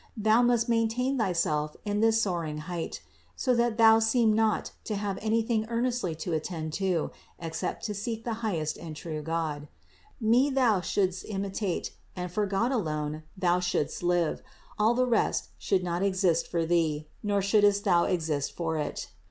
Thou must maintain thyself in this soaring height, so that thou seem not to have anything earnestly to attend to, except to seek the highest and true God. Me thou shouldst imitate and for God alone thou shouldst live ; all the rest THE INCARNATION 431 should not exist for thee, nor shouldst thou exist for it.